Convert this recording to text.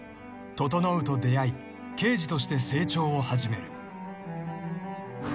［整と出会い刑事として成長を始める］